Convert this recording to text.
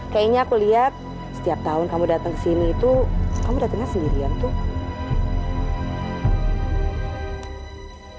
kayaknya aku lihat setiap tahun kamu datang kesini tuh kamu datangnya sendirian tuh